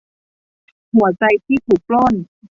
หัวใจที่ถูกปล้น